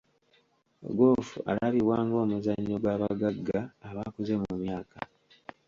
Ggoofu alabibwa ng'omuzannyo gw'abagagga abakuze mu myaka.